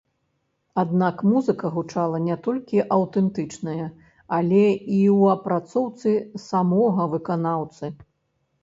Аднак музыка гучала не толькі аўтэнтычная, але і ў апрацоўцы самога выканаўцы.